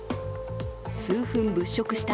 数分物色した